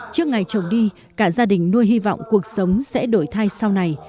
trước ngày chồng đi cả gia đình nuôi hy vọng cuộc sống sẽ đổi thay sau này